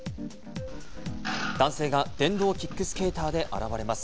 男性が電動キックスケーターで現れます。